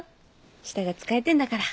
下がつかえてんだから。